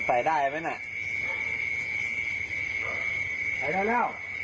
ใส่ได้ไหมน่ะ